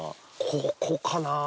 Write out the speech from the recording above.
ここかな？